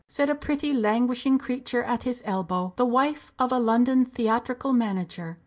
said a pretty, languishing creature at his elbow, the wife of a London theatrical manager.